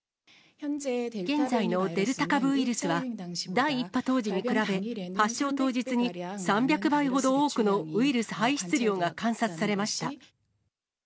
現在のデルタ株ウイルスは、第１波当時に比べ、発症当日に３００倍ほど多くのウイルス排出量が観察されました。